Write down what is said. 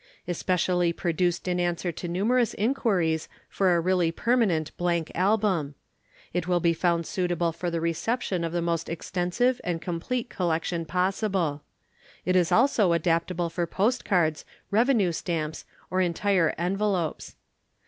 Especially produced in answer to numerous inquiries for a really permanent blank Album. It will be found suitable for the reception of the most extensive and complete collection possible. It is also adaptable for Post Cards, Revenue Stamps, or entire Envelopes.